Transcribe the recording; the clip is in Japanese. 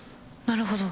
なるほど。